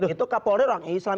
itu kapolri orang islam